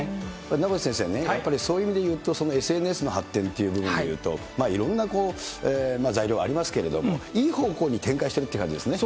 名越先生ね、やっぱりそういう意味でいうと、ＳＮＳの発展という部分でいうと、いろんな材料がありますけれども、いい方向に展開してるっていう感じですね。